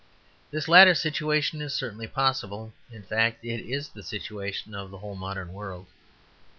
This latter situation is certainly possible; in fact, it is the situation of the whole modern world.